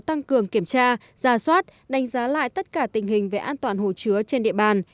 tăng cường kiểm tra ra soát đánh giá lại tất cả tình hình về an toàn hồ chứa trên địa bàn